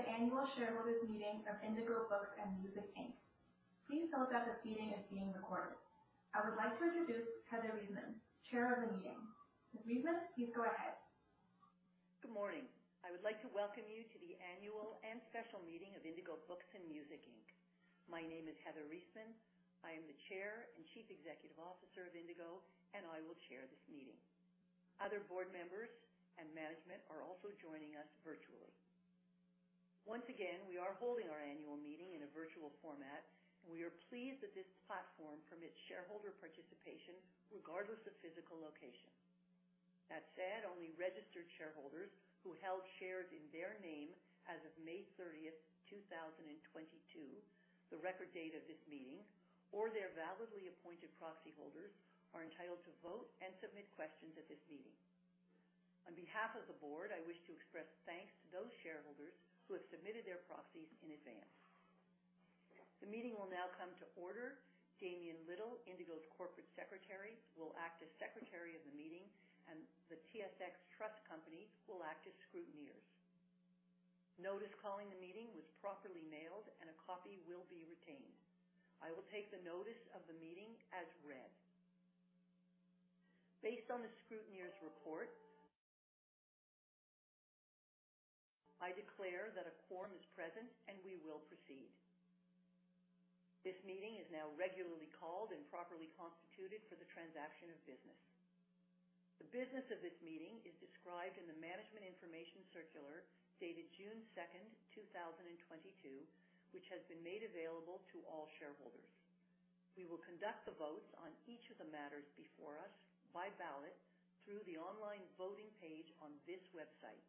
Welcome to the annual shareholders meeting of Indigo Books & Music Inc. Please note that the meeting is being recorded. I would like to introduce Heather Reisman, Chair of the meeting. Ms. Reisman, please go ahead. Good morning. I would like to welcome you to the annual and special meeting of Indigo Books & Music Inc. My name is Heather Reisman. I am the Chair and Chief Executive Officer of Indigo, and I will chair this meeting. Other board members and management are also joining us virtually. Once again, we are holding our annual meeting in a virtual format, and we are pleased that this platform permits shareholder participation regardless of physical location. That said, only registered shareholders who held shares in their name as of May 30th, 2022, the record date of this meeting, or their validly appointed proxy holders are entitled to vote and submit questions at this meeting. On behalf of the board, I wish to express thanks to those shareholders who have submitted their proxies in advance. The meeting will now come to order. Damien Liddle, Indigo's Corporate Secretary, will act as secretary of the meeting, and the TSX Trust Company will act as scrutineers. Notice calling the meeting was properly mailed, a copy will be retained. I will take the notice of the meeting as read. Based on the scrutineer's report, I declare that a quorum is present, we will proceed. This meeting is now regularly called and properly constituted for the transaction of business. The business of this meeting is described in the management information circular dated June 2nd, 2022, which has been made available to all shareholders. We will conduct the votes on each of the matters before us by ballot through the online voting page on this website.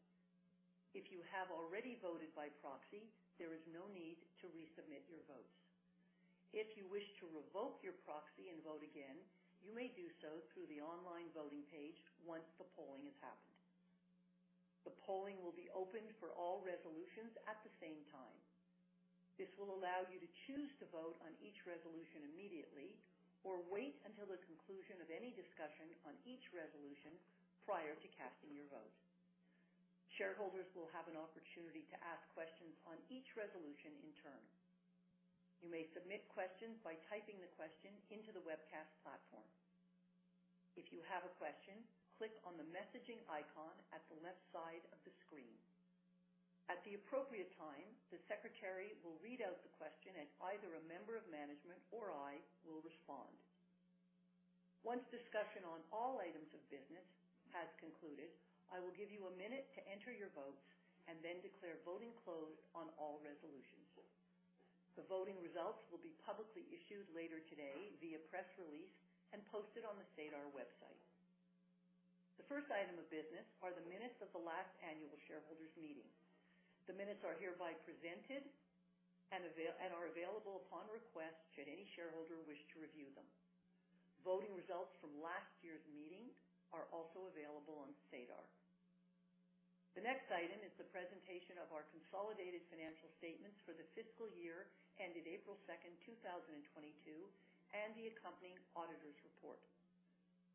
If you have already voted by proxy, there is no need to resubmit your votes. If you wish to revoke your proxy and vote again, you may do so through the online voting page once the polling is open. The polling will be open for all resolutions at the same time. This will allow you to choose to vote on each resolution immediately or wait until the conclusion of any discussion on each resolution prior to casting your vote. Shareholders will have an opportunity to ask questions on each resolution in turn. You may submit questions by typing the question into the webcast platform. If you have a question, click on the messaging icon at the left side of the screen. At the appropriate time, the secretary will read out the question, and either a member of management or I will respond. Once discussion on all items of business has concluded, I will give you a minute to enter your votes and then declare voting closed on all resolutions. The voting results will be publicly issued later today via press release and posted on the SEDAR website. The first item of business are the minutes of the last annual shareholders meeting. The minutes are hereby presented and are available upon request should any shareholder wish to review them. Voting results from last year's meeting are also available on SEDAR. The next item is the presentation of our consolidated financial statements for the fiscal year ended April 2nd, 2022, and the accompanying auditor's report.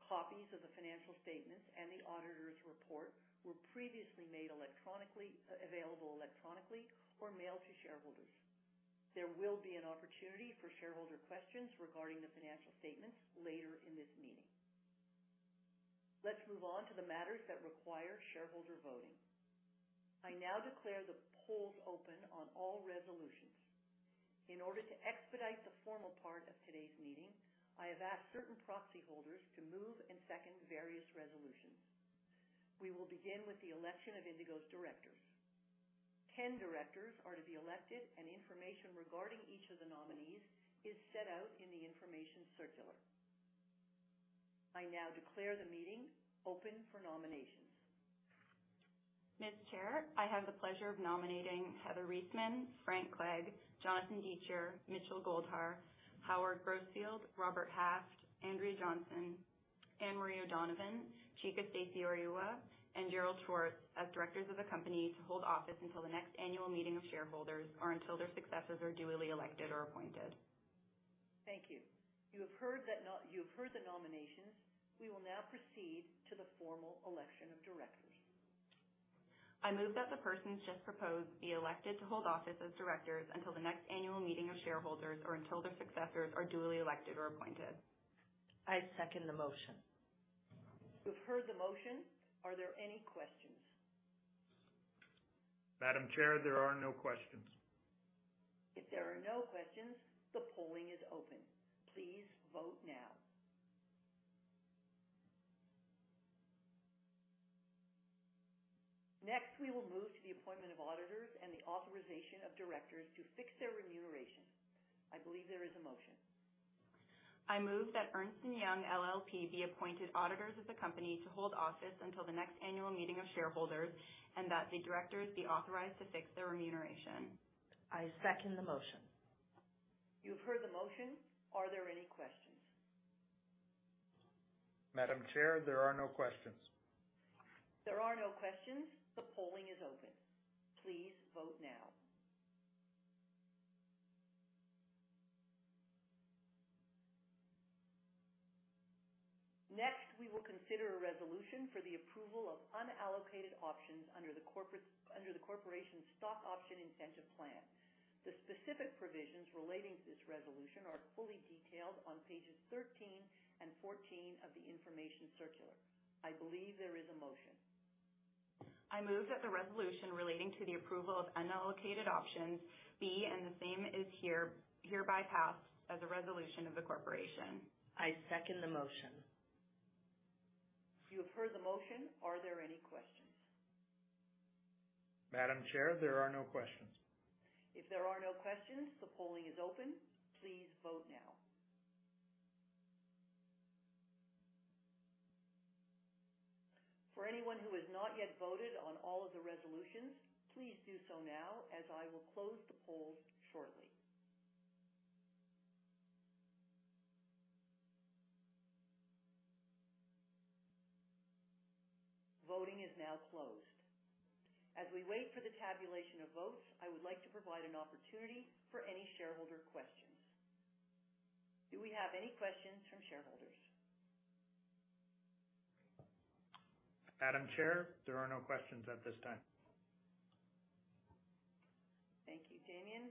Copies of the financial statements and the auditor's report were previously made available electronically or mailed to shareholders. There will be an opportunity for shareholder questions regarding the financial statements later in this meeting. Let's move on to the matters that require shareholder voting. I now declare the polls open on all resolutions. In order to expedite the formal part of today's meeting, I have asked certain proxy holders to move and second various resolutions. We will begin with the election of Indigo's directors. 10 directors are to be elected, and information regarding each of the nominees is set out in the information circular. I now declare the meeting open for nominations. Ms. Chair, I have the pleasure of nominating Heather Reisman, Frank Clegg, Jonathan Deitcher, Mitchell Goldhar, Howard Grosfield, Robert Haft, Andrea Johnson, Anne Marie O'Donovan, Chika Stacy Oriuwa, and Gerald Schwartz as directors of the company to hold office until the next annual meeting of shareholders or until their successors are duly elected or appointed. Thank you. You have heard the nominations. We will now proceed to the formal election of directors. I move that the persons just proposed be elected to hold office as directors until the next annual meeting of shareholders or until their successors are duly elected or appointed. I second the motion. You've heard the motion. Are there any questions? Madam Chair, there are no questions. If there are no questions, the polling is open. Please vote now. Next, we will move to the appointment of auditors and the authorization of directors to fix their remuneration. I believe there is a motion. I move that Ernst & Young LLP be appointed auditors of the company to hold office until the next annual meeting of shareholders and that the directors be authorized to fix their remuneration. I second the motion. You've heard the motion. Are there any questions? Madam Chair, there are no questions. There are no questions. The polling is open. Please vote now. We will consider a resolution for the approval of unallocated options under the corporation's stock option incentive plan. The specific provisions relating to this resolution are fully detailed on pages 13 and 14 of the information circular. I believe there is a motion. I move that the resolution relating to the approval of unallocated options be, and the same is hereby passed as a resolution of the corporation. I second the motion. You have heard the motion. Are there any questions? Madam Chair, there are no questions. If there are no questions, the polling is open. Please vote now. For anyone who has not yet voted on all of the resolutions, please do so now as I will close the polls shortly. Voting is now closed. As we wait for the tabulation of votes, I would like to provide an opportunity for any shareholder questions. Do we have any questions from shareholders? Madam Chair, there are no questions at this time. Thank you, Damien.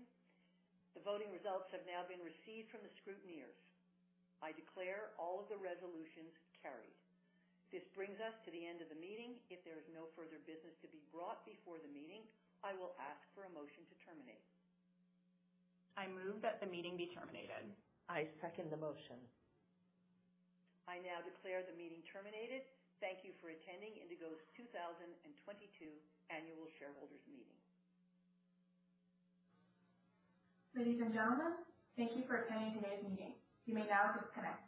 The voting results have now been received from the scrutineers. I declare all the resolutions carried. This brings us to the end of the meeting. If there is no further business to be brought before the meeting, I will ask for a motion to terminate. I move that the meeting be terminated. I second the motion. I now declare the meeting terminated. Thank you for attending Indigo's 2022 annual shareholders' meeting. Ladies and gentlemen, thank you for attending today's meeting. You may now disconnect.